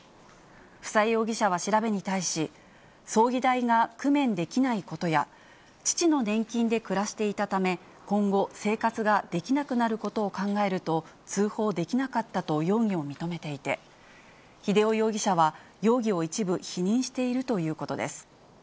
富佐江容疑者は調べに対し、葬儀代が工面できないことや、父の年金で暮らしていたため、今後、生活ができなくなることを考えると、通報できなかったと容疑を認めていて、秀雄容疑者は、容疑を一部否認しているということです。